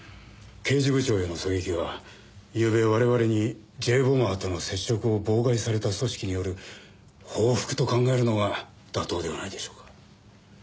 刑事部長への狙撃はゆうべ我々にＪ・ボマーとの接触を妨害された組織による報復と考えるのが妥当ではないでしょうか。